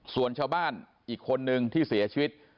ส่วนชาวบ้านอีกคนนึงที่เสียชีวิต